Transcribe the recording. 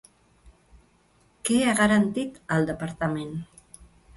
Què ha garantit el departament?